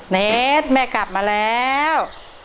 เนสแม่กลับมาแล้ว